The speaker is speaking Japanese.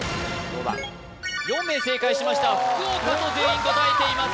４名正解しました「福岡」と全員答えています